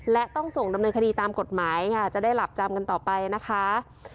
และต้องส่งดำเนินคดีตามกฎหมายค่ะจะได้หลับจำกันต่อไปนะคะ